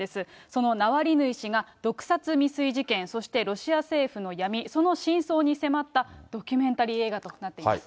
そのナワリヌイ氏が、毒殺未遂事件、そしてロシア政府の闇、その真相に迫ったドキュメンタリー映画となっています。